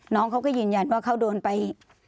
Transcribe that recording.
น้องเขาก็ยืนยันว่าเขาโดนไป